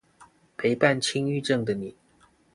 陪伴輕鬱症的你